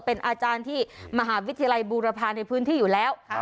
เป็นอาจารย์ที่มหาวิทยาลัยบูรพาในพื้นที่อยู่แล้ว